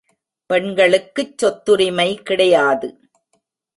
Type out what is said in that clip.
பெண்களுக்குச் சொத்துரிமை கிடையாது.